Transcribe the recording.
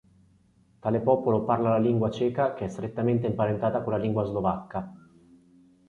Tale popolo parla la lingua ceca, che è strettamente imparentata con la lingua slovacca.